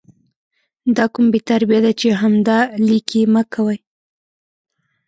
دا کوم بې تربیه ده چې همدا 💩 لیکي مه کوي